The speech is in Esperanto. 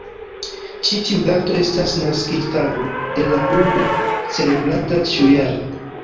Ĉi tiu dato estas naskiĝtago de la Klubo, celebrata ĉiujare.